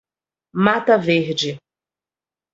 Mata Verde